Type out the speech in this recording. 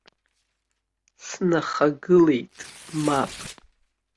Снахагылеит, мап.